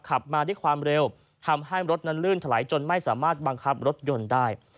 ขับมาด้วยความเร็วทำให้รถนั้นลื่นถลายจนไม่สามารถบังคับรถยนต์ได้